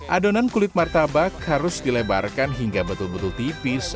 adonan kulit martabak harus dilebarkan hingga betul betul tipis